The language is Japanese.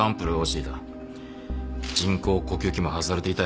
人工呼吸器も外されていたよ。